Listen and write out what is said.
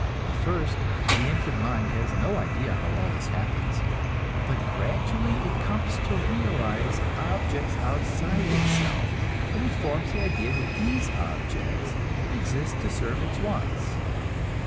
At first the infant mind has no idea how all this happens; but gradually it comes to realize objects outside itself, and it forms the idea that these objects exist to serve its wants.